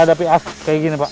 bang hwp kaya gimi pak